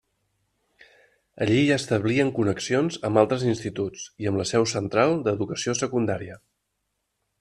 Allí ja establien connexions amb altres instituts i amb la seu central d'Educació Secundària.